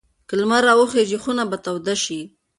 که لمر راوخېژي خونه به توده شي.